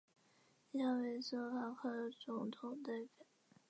以下为斯洛伐克总统列表。